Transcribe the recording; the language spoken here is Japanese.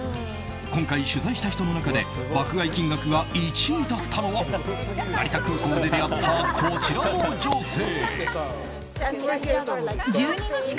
今回取材した人の中で爆買い金額が１位だったのは成田空港で出会ったこちらの女性。